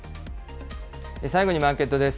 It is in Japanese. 最後にマーケットです。